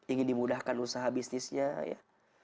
ingin dimudahkan usaha bisnisnya ya